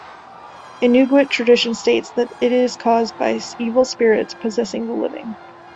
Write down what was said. Inughuit tradition states that it is caused by evil spirits possessing the living.